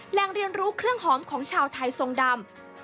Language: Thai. แหล่งเรียนรู้เครื่องหอมของชาวไทยทรงดำ